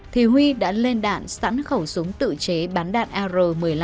thì huy đã lên đạn sẵn khẩu súng tự chế bắn đạn ar một mươi năm